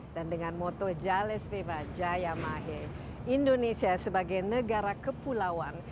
dan dengan moto jales beba jaya mahe indonesia sebagai negara kepulauan